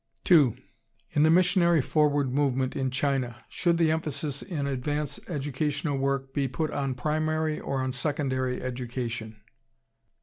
2. In the missionary Forward Movement in China, should the emphasis in advance educational work be put on primary or on secondary education?